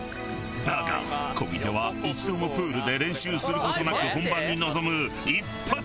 だが漕ぎ手は一度もプールで練習する事なく本番に臨む一発勝負に。